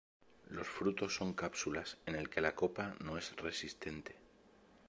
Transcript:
Los frutos son cápsulas, en el que la copa no es resistente.